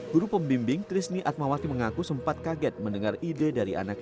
guru pembimbing trisni atmawati mengaku sempat kaget mendengar ide dari anak